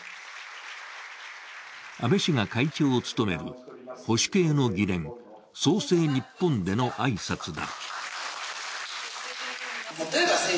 安倍氏が会長を務める保守系の議連創世「日本」での挨拶だ。